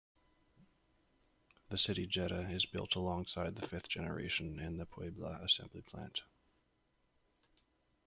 The City Jetta is built alongside the fifth generation in the Puebla Assembly Plant.